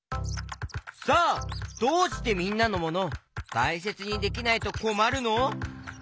さあどうしてみんなのモノたいせつにできないとこまるの？